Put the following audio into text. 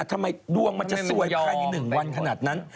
ทำไมดวงมันจะซวยภายใน๑วันขนาดนั้น